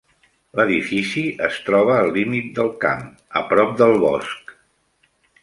L'edifici es troba al límit del camp, a prop del bosc.